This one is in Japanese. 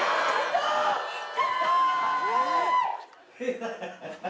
ハハハハ！